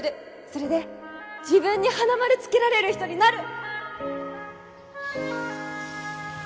それで自分に花丸つけられる人になる！